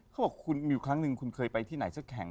เขาบอกว่ามีครั้งหนึ่งคุณเคยไปที่ไหนซักแข่ง